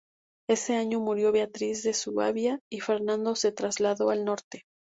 Ese año murió Beatriz de Suabia y Fernando se trasladó al norte.